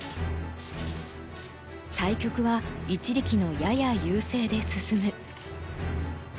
対局は一力のやや優勢で進む。